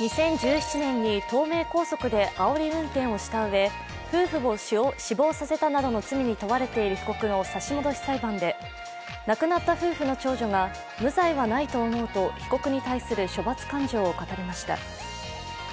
２０１７年に東名高速であおり運転をしたうえ夫婦を死亡させたなどの罪に問われている被告の差し戻し裁判で亡くなった夫婦の長女は無罪はないと思うと被告に対する処罰感情を語りました。